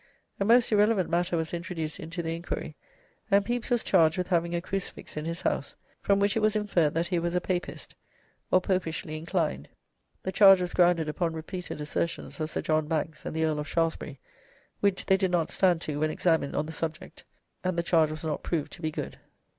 A most irrelevant matter was introduced into the inquiry, and Pepys was charged with having a crucifix in his house, from which it was inferred that he was "a papist or popishly inclined." The charge was grounded upon reported assertions of Sir John Banks and the Earl of Shaftesbury, which they did not stand to when examined on the subject, and the charge was not proved to be good.